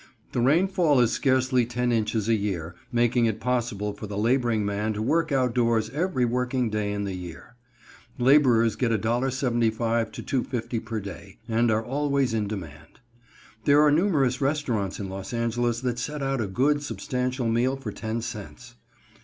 The rainfall is scarcely ten inches a year, making it possible for the laboring man to work out doors every working day in the year. Laborers get $1.75 to $2.50 per day, and are always in demand. There are numerous restaurants in Los Angeles that set out a good, substantial meal for ten cents.